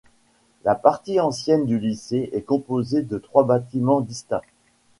La partie ancienne du lycée est composée de trois bâtiments distincts.